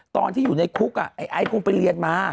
ตอนที่อยู่ในคุกไอ้คงไปเรียนมา